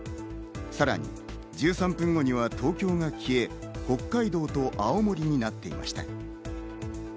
さらに１３分後には東京が消え、北海道と青森になっていました。